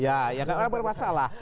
ya ya kan orang bermasalah